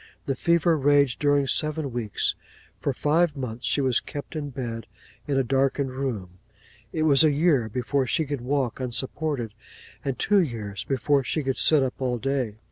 The fever raged during seven weeks; for five months she was kept in bed in a darkened room; it was a year before she could walk unsupported, and two years before she could sit up all day.